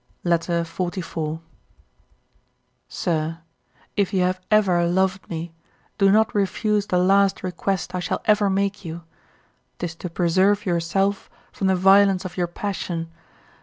Letter 44. SIR, If you have ever loved me, do not refuse the last request I shall ever make you; 'tis to preserve yourself from the violence of your passion.